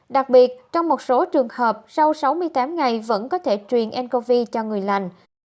đặc biệt trong một số trường hợp sau sáu mươi tám ngày vẫn có thể truyền ncov cho người lành